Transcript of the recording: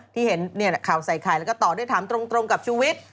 ที่เห็นข่าวใส่ไข่แล้วก็ต่อด้วยถามตรงกับชุวิต